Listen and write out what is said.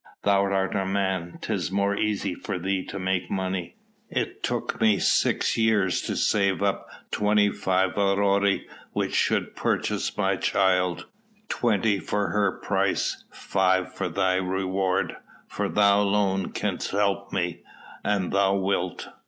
"Thou art a man; 'tis more easy for thee to make money. It took me six years to save up twenty five aurei which should purchase my child: twenty for her price, five for thy reward, for thou alone canst help me, an thou wilt."